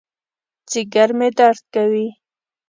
ځېګر مې درد کوي